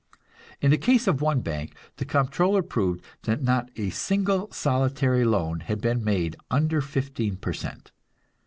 In the case of one bank, the Comptroller proved that not a single solitary loan had been made under fifteen per cent.